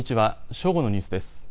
正午のニュースです。